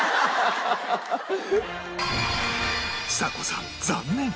ちさ子さん残念！